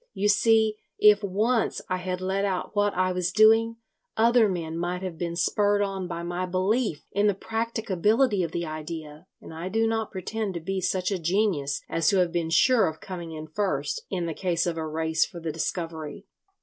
You see, if once I had let out what I was doing, other men might have been spurred on by my belief in the practicability of the idea; and I do not pretend to be such a genius as to have been sure of coming in first, in the case of a race for the discovery.